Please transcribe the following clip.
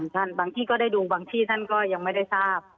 บางที่ก็ได้ดูบางที่ท่านก็ยังไม่ได้ทราบ